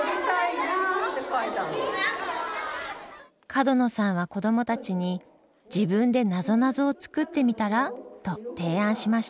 角野さんは子どもたちに「自分でなぞなぞを作ってみたら？」と提案しました。